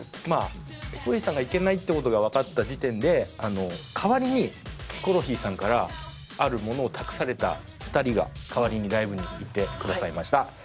まあヒコロヒーさんが行けないって事がわかった時点で代わりにヒコロヒーさんからあるものを託された２人が代わりにライブに行ってくださいました。